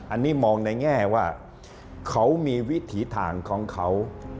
อันนี้มองในแง่ว่าเขามีวิถีทางของเขา